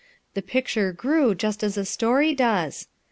The picture grew, just as a story docs.